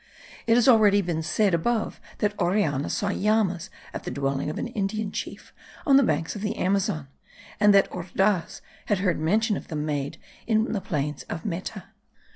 It has already been said above that Orellana saw llamas at the dwelling of an Indian chief on the banks of the Amazon, and that Ordaz had heard mention made of them in the plains of Meta.